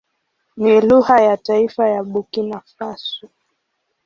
Ni lugha ya taifa ya Burkina Faso.